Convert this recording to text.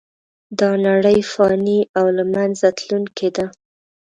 دا نړۍ فانې او له منځه تلونکې ده .